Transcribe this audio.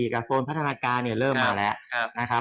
กับโซนพัฒนาการเนี่ยเริ่มมาแล้วนะครับ